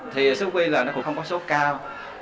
thì sốt huyết là nó cũng không có sốt cao